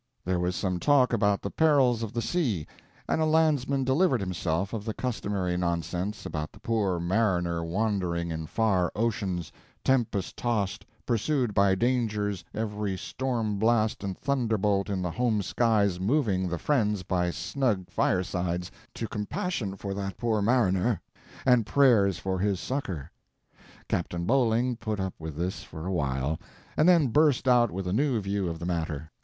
There was some talk about the perils of the sea, and a landsman delivered himself of the customary nonsense about the poor mariner wandering in far oceans, tempest tossed, pursued by dangers, every storm blast and thunderbolt in the home skies moving the friends by snug firesides to compassion for that poor mariner, and prayers for his succor. Captain Bowling put up with this for a while, and then burst out with a new view of the matter.